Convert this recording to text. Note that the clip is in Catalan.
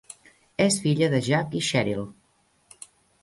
És filla de Jack i Cheryl.